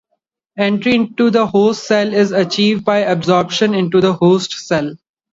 Entry into the host cell is achieved by adsorption into the host cell.